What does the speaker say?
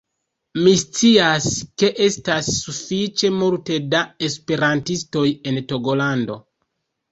Mi scias, ke estas sufiĉe multe da esperantistoj en Togolando